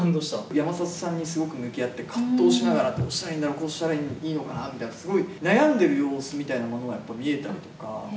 山里さんにすごく向き合って、葛藤しながら、どうしたらいいんだろう、こうしたらいいのかなみたいな、すごい悩んでる様子みたいなものがやっぱ見えたりとか。